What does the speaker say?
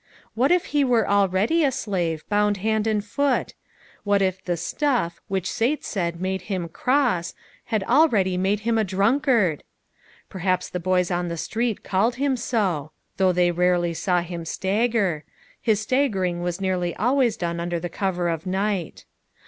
What if he were already a slave, bound hand and foot ! What if the " stuff " which Sate said made him "cross" had already made him a drunkard: Perhaps the boys on the street called him so ; though they rarely saw him stagger; his stagger THE LITTLE PICTURE MAKERS. 255 ing was nearly always done under cover of the night.